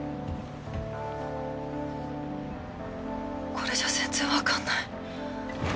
これじゃ全然分かんない。